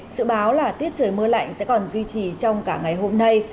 sự báo là tiết trời mưa lạnh sẽ còn duy trì trong cả ngày hôm nay